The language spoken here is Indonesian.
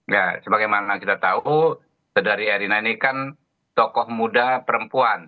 ya sebagaimana kita tahu saudari erina ini kan tokoh muda perempuan